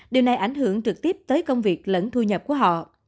điều này ảnh hưởng trực tiếp tới công việc lẫn thu nhập của họ